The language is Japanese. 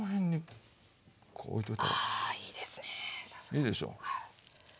いいでしょ。